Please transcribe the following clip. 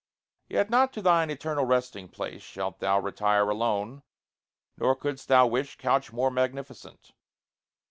Yet not to thine eternal resting place Shalt thou retire alone, nor couldst thou wish Couch more magnificent.